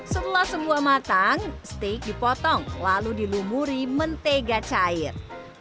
setelah semua matang steak dipotong lalu dilumuri mentega cair